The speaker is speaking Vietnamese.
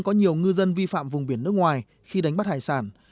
có nhiều ngư dân vi phạm vùng biển nước ngoài khi đánh bắt hải sản